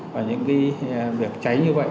và những việc cháy như vậy